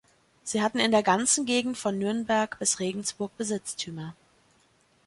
Sie hatten in der ganzen Gegend von Nürnberg bis Regensburg Besitztümer.